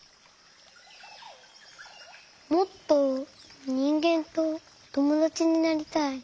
もっとにんげんとともだちになりたい。